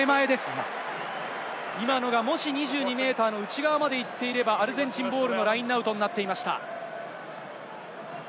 今のがもし２２ｍの内側まで行っていれば、アルゼンチンボールのラインアウトになっていました。